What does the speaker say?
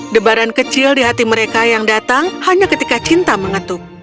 debaran kecil di hati mereka yang datang hanya ketika cinta mengetuk